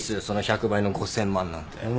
その１００倍の５，０００万なんて。